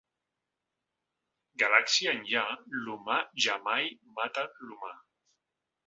Galàxia enllà, l’humà jamai mata l’humà.